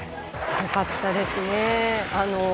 すごかったですね。